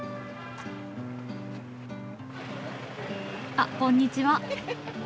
あっこんにちは。